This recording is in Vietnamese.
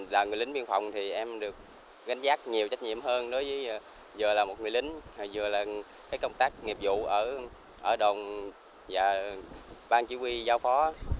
là người lính biên phòng thì em được gánh giác nhiều trách nhiệm hơn đối với vừa là một người lính vừa là công tác nghiệp vụ ở đồn và ban chỉ huy giao phó